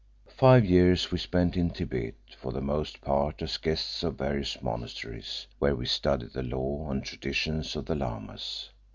Five years we spent in Thibet, for the most part as guests of various monasteries, where we studied the law and traditions of the Lamas.